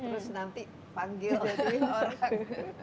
terus nanti panggil jadi orang